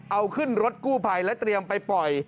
เอาขึ้นรถกู้ภัยและเตรียมไปปล่อย